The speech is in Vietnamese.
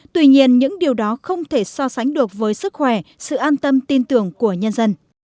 tuy nhiên những điều đó không thể so sánh được với sức khỏe sự an tâm tin tưởng của nhân dân